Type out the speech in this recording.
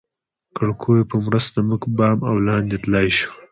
کړکیو په مرسته موږ بام او لاندې تلای شوای.